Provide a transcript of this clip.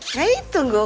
nah itu gue